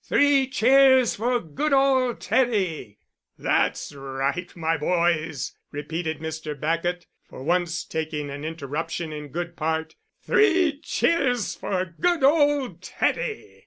"Three cheers for good old Teddie!" "That's right, my boys," repeated Mr. Bacot, for once taking an interruption in good part, "Three cheers for good old Teddy!"